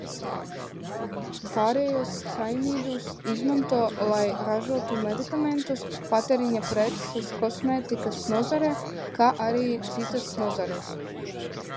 Pārējos cianīdus izmanto, lai ražotu medikamentus, patēriņa preces kosmētikas nozarē, kā arī citās nozarēs.